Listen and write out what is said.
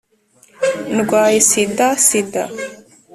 ndwaye sida!sida!